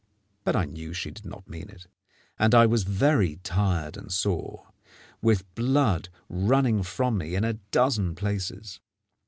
But I knew she did not mean it; and I was very tired and sore, with blood running from me in a dozen places.